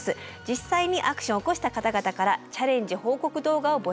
実際にアクションを起こした方々からチャレンジ報告動画を募集しています。